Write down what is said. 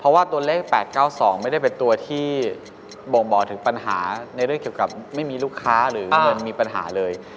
เพราะว่าตัวเลข๘๙๒ไม่ได้เป็นตัวที่บ่งบอกถึงปัญหาในเรื่องเกี่ยวกับไม่มีลูกค้าหรือเงินมีปัญหาเลย